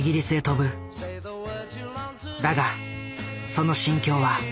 だがその心境は。